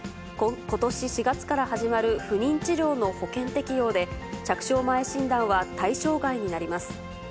ことし４月から始まる不妊治療の保険適用で、着床前診断は対象外になります。